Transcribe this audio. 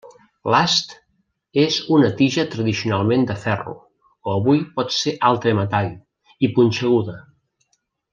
L'ast és una tija tradicionalment de ferro, o avui pot ser altre metall, i punxeguda.